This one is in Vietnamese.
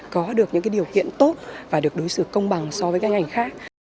có được những điều kiện tốt và được đối xử công bằng so với các ngành khác